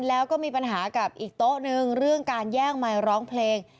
แล้วก็มีปัญหากับอีกโต๊ะนึงเรื่องการแย่งไมค์ร้องเพลง